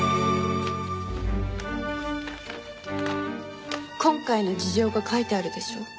今回の事情が書いてあるでしょ？